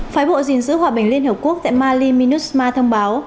phái bộ diện giữ hòa bình liên hợp quốc tại mali minusma thông báo